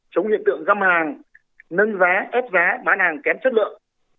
chống hiện tượng găm hàng nâng giá ép giá bán hàng kém chất lượng